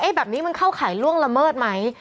แบบนี้มันเข้าข่ายล่วงละเมิดไหม